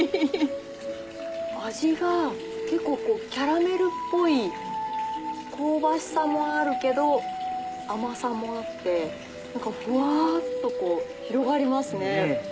味が結構キャラメルっぽい香ばしさもあるけど甘さもあってふわっと広がりますね。